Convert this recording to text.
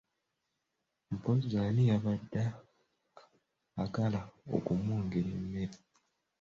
Mpozzi ani yabadde agala okumwongera emmere?